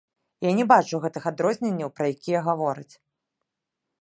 Я не бачу гэтых адрозненняў, пра якія гавораць.